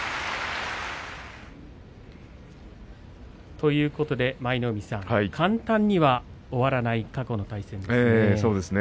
ということで、舞の海さん簡単には終わらない過去の対戦ですね。